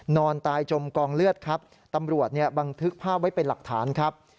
นอนตายจมกองเลือดครับตำรวจเนี่ยบันทึกภาพไว้เป็นหลักฐานครับ